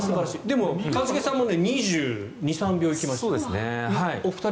でも一茂さんも２２２３秒行きました。